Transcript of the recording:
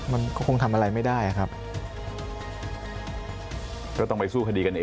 มันก็คงทำอะไรไม่ได้